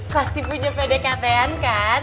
pasti punya pdkt an kan